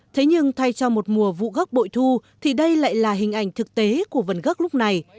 thế nhưng thay cho một mùa vụ gốc bội thu thì đây lại là hình ảnh thực tế của vườn gốc lúc này